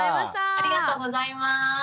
ありがとうございます。